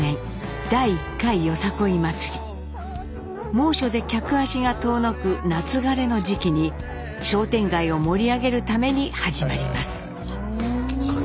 猛暑で客足が遠のく「夏枯れ」の時期に商店街を盛り上げるために始まります。